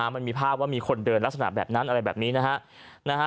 มันมีภาพว่ามีคนเดินลักษณะแบบนั้นอะไรแบบนี้นะฮะ